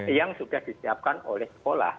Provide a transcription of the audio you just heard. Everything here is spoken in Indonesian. yang sudah disiapkan oleh sekolah